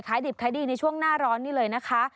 ค้ายดีบค้ายดีในช่วงหน้าร้อนนี้เลยนะคะ